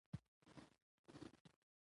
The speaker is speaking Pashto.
ژورې سرچینې د افغانستان د ځمکې د جوړښت نښه ده.